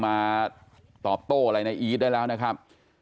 มาตอบโต้อะไรในอีทได้แล้วนะครับ